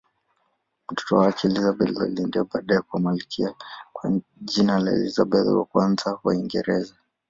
Mtoto wake Elizabeth aliendelea baadaye kuwa malkia kwa jina la Elizabeth I wa Uingereza.